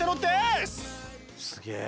すげえ。